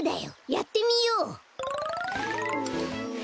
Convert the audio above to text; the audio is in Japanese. やってみよう！